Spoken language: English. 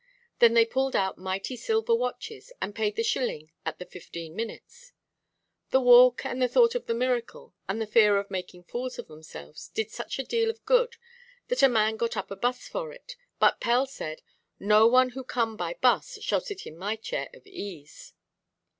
Then they pulled out mighty silver watches, and paid the shilling at the fifteen minutes. The walk, and the thought of the miracle, and the fear of making fools of themselves, did such a deal of good, that a man got up a 'bus for it; but Pell said, "No; none who come by 'bus shall sit in my chair of ease."